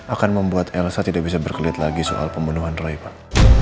akan membuat elsa tidak bisa berkelit lagi soal pembunuhan roy pak